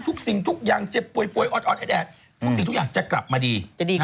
ทุกสิ่งทุกอย่างเจ็บป่วยอดจะกลับมาดี